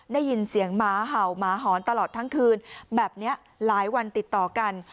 ได้ยินเสียงหมาเห่าหมาหอนตลอดทั้งคืนแบบนี้หลายวันติดต่อกัน